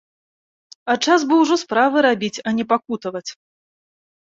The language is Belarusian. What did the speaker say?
А час бы ужо справы рабіць, а не пакутаваць.